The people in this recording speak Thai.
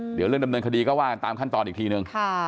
เดี๋ยวเรื่องดำเนินคดีก็ว่ากันตามขั้นตอนอีกทีนึง